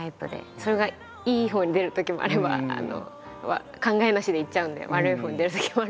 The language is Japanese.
それがいいほうに出るときもあれば考えなしでいっちゃうんで悪いほうに出るときもあるんですけど。